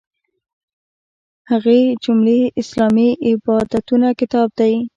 له هغې جملې اسلامي عبادتونه کتاب دی.